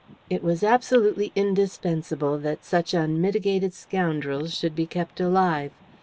It was absolutely indispensable that such unmitigated scoundrels should be kept alive.